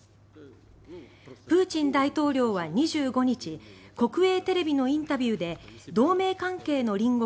プーチン大統領は２５日国営テレビのインタビューで同盟関係の隣国